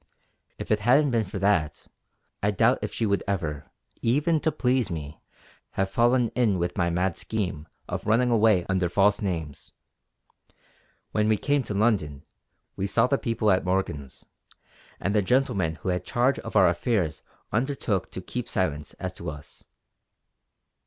If it hadn't been for that, I doubt if she would ever, even to please me, have fallen in with my mad scheme of running away under false names. When we came to London we saw the people at Morgan's; and the gentleman who had charge of our affairs undertook to keep silence as to us.